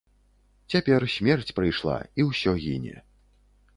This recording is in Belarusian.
Цяпер смерць прыйшла, і ўсё гіне.